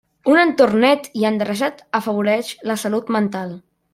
Un entorn net i endreçat afavoreix la salut mental.